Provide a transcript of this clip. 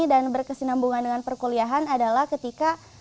dan berkesinambungan dengan perkuliahan adalah ketika